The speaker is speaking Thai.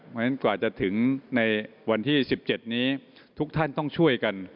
เพราะฉะนั้นกว่าจะถึงในวันที่๑๗นี้ทุกท่านต้องช่วยกัน